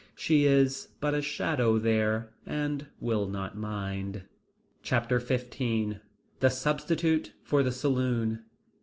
She is but a shadow there, and will not mind. Chapter XV The Substitute for the Saloon.